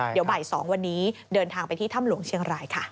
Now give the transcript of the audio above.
เดี๋ยวบ่าย๒วันนี้เดินทางไปที่ถ้ำหลวงเชียงรายค่ะ